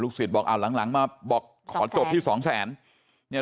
ลูกศิษย์บอกเอาหลังมาบอกสองแสน